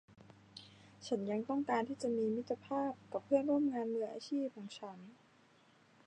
ฉันยังต้องการที่จะมีมิตรภาพกับเพื่อนร่วมงานมืออาชีพของฉัน